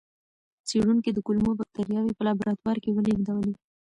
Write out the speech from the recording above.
څېړونکي د کولمو بکتریاوې په لابراتوار کې ولېږدولې.